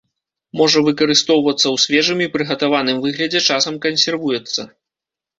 Можа выкарыстоўвацца ў свежым і прыгатаваным выглядзе, часам кансервуецца.